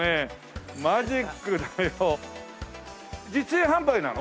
実演販売なの？